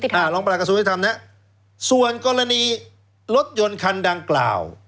ประหลาดกระทรวงยุติธรรมนะครับส่วนกรณีรถยนต์คันดังกล่าว